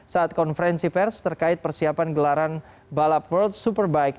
saat konferensi pers terkait persiapan gelaran balap world superbike